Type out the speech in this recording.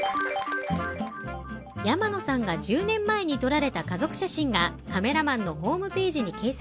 山野さんが１０年前に撮られた家族写真がカメラマンのホームページに掲載されています。